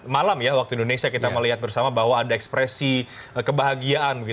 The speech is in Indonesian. malam ya waktu indonesia kita melihat bersama bahwa ada ekspresi kebahagiaan